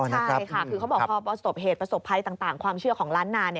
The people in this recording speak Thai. ใช่ค่ะคือเขาบอกพอประสบเหตุประสบภัยต่างความเชื่อของล้านนา